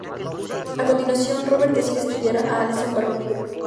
A continuación, Robert decide estudiar a Alison para un libro.